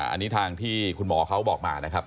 อันนี้ทางที่คุณหมอเขาบอกมานะครับ